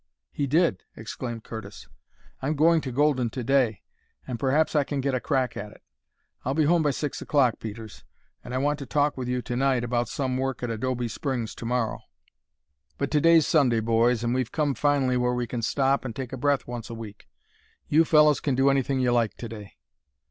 "He did?" exclaimed Curtis. "I'm going to Golden to day, and perhaps I can get a crack at it. I'll be home by six o'clock, Peters, and I want to talk with you to night about some work at Adobe Springs to morrow. But to day's Sunday, boys, and we've come finally where we can stop and take breath once a week. You fellows can do anything you like to day."